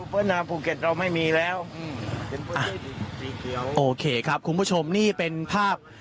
นามภูเก็ตเราไม่มีแล้วโอเคครับคุณผู้ชมนี่เป็นภาพ